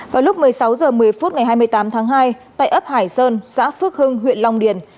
vào lúc một mươi sáu h một mươi phút ngày hai mươi tám tháng hai tại ấp hải sơn xã phước hưng huyện long điền